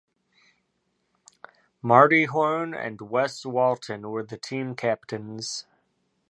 Marty Horn and Wes Walton were the team captains.